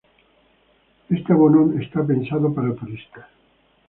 Este abono está pensado para turistas.